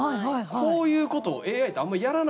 こういうことをＡＩってあんまりやらないのかなと。